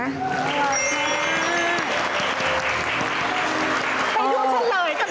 ไปดูฉันเลยลูก